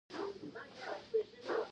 نوم په عمل ګټل کیږي